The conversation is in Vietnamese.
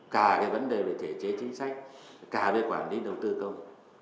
cả cái vấn đề về thể chế chính sách cả về quản lý đầu tư công